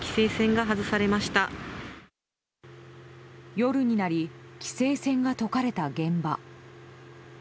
夜になり規制線をとかれた現場。